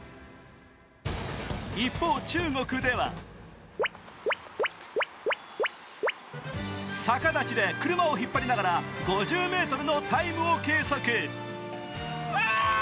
一方、中国では逆立ちで車を引っ張りながら５０ｍのタイムを計測。